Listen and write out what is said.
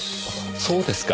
そうですか。